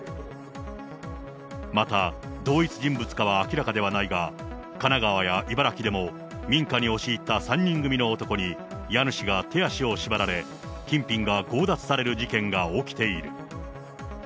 また同一人物かは明らかではないが、神奈川や茨城でも民家に押し入った３人組の男に、家主が手足を縛られ、こんにちは。